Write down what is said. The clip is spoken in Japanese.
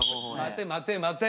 待て待て待て。